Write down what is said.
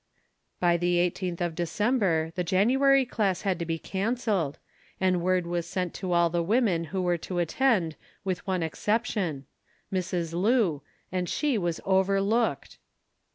By the 18th of December the January class had to be cancelled and word was sent to all the women who were to attend with one exception—Mrs. Lu, and she was overlooked!